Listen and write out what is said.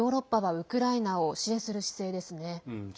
ヨーロッパはウクライナを支援する姿勢ですね。